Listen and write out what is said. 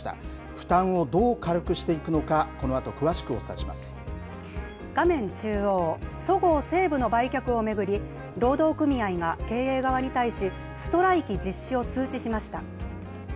負担をどう軽くしていくのか、画面中央、そごう・西武の売却を巡り、労働組合が経営側に対し、ストライキ実施を通知しました。